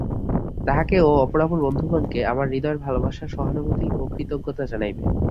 তাঁহাকে ও অপরাপর বন্ধুগণকে আমার হৃদয়ের ভালবাসা, সহানুভূতি ও কৃতজ্ঞতা জানাইবে।